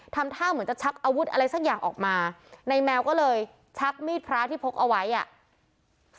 ทำท่าเหมือนจะชักอาวุธอะไรสักอย่างออกมาในแมวก็เลยชักมีดพระที่พกเอาไว้อ่ะ